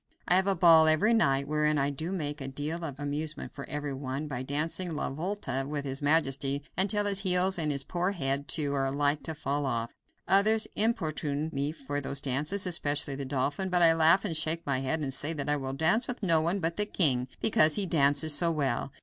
I have a ball every night, wherein I do make a deal of amusement for every one by dancing La Volta with his majesty until his heels, and his poor old head, too, are like to fall off. Others importune me for those dances, especially the dauphin, but I laugh and shake my head and say that I will dance with no one but the king, because he dances so well.